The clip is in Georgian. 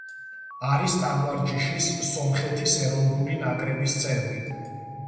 არის ტანვარჯიშის სომხეთის ეროვნული ნაკრების წევრი.